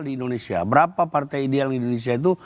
di indonesia berapa partai ideal di indonesia itu